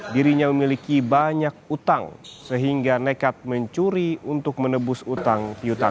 dirinya memiliki banyak utang sehingga nekat mencuri untuk menebus utang piutang